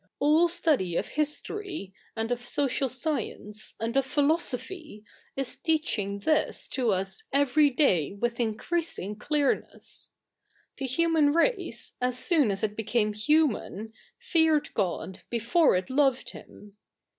All study of history^ and of social science^ and of philosophy ^ is teaching this to us every day with in creasifig clear?tess. The hiwian race., as soon as it became humafi., feared God before it loved Him.